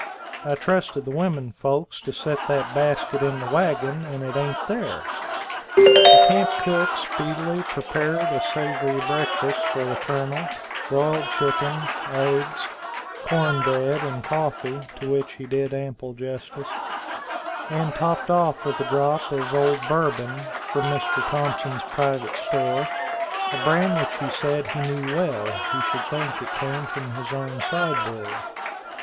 I trusted to the women folks to set that basket in the wagon, and it ain't there." The camp cook speedily prepared a savory breakfast for the Colonel, broiled chicken, eggs, corn bread, and coffee, to which he did ample justice, and topped off with a drop of Old Bourbon, from Mr. Thompson's private store, a brand which he said he knew well, he should think it came from his own sideboard.